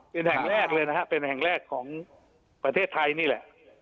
เป็นแห่งแรกเลยนะฮะเป็นแห่งแรกของประเทศไทยนี่แหละ